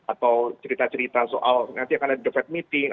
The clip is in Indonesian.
atau cerita cerita soal nanti akan ada the fed meeting